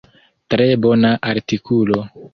Tre bona artikulo.